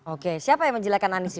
oke siapa yang menjelekan anies